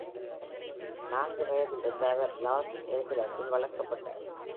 நான்கு வயதிலிருந்து அவர் லாஸ் ஏஞ்சலஸில் வளர்க்கப்பட்டார்.